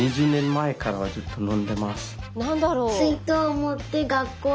何だろう？